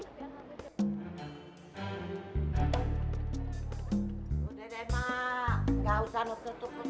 tuh deh mak nggak usah ditutupin